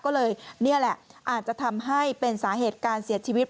ก็เลยนี่แหละอาจจะทำให้เป็นสาเหตุการเสียชีวิต